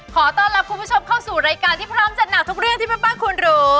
ขอต้อนรับคุณผู้ชมเข้าสู่รายการที่พร้อมจัดหนักทุกเรื่องที่แม่บ้านควรรู้